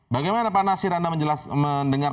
bagaimana pak nasir anda mendengar